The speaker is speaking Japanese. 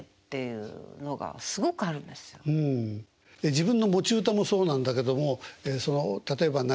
自分の持ち歌もそうなんだけども例えば中島みゆき